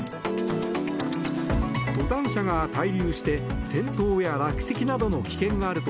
登山者が滞留して転倒や落石などの危険があると